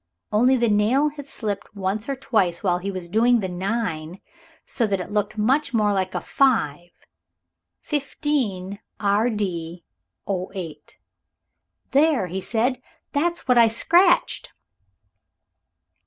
Only the nail had slipped once or twice while he was doing the 9, so that it looked much more like a five 15. R.D. 08. "There," he said, "that's what I scratched!"